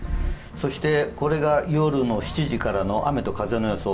これが夜の７時からの雨と風の予想